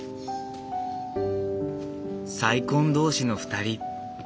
再婚同士の２人。